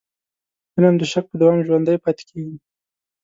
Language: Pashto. علم د شک په دوام ژوندی پاتې کېږي.